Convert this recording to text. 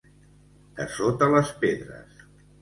De sota les pedres.